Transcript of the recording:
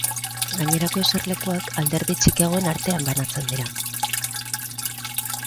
Gainerako eserlekuak alderdi txikiagoen artean banatzen dira.